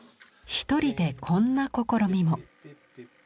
一人でこんな試みも。